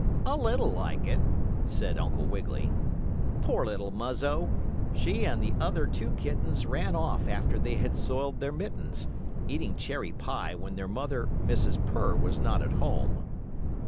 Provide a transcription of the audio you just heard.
"A little like it," said Uncle Wiggily. "Poor little Muzzo! She and the other two kittens ran off after they had soiled their mittens, eating cherry pie when their mother, Mrs. Purr, was not at home."